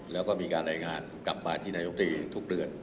แล้วก็มีการรายงานกลับมาที่นายกตรีทุกเดือน